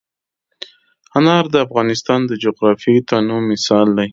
انار د افغانستان د جغرافیوي تنوع مثال دی.